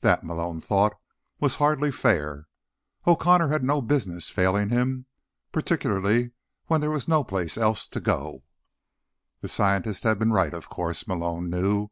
That, Malone thought, was hardly fair. O'Connor had no business failing him, particularly when there was no place else to go. The scientist had been right, of course, Malone knew.